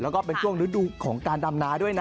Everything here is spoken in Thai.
แล้วก็เป็นช่วงฤดูของการดำนาด้วยนะ